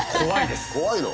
怖いの？